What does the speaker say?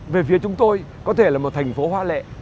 về phía chúng tôi có thể là một thành phố hoa lệ